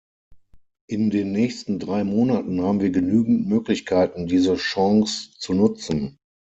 In den nächsten drei Monaten haben wir genügend Möglichkeiten, diese Chance zu nutzen.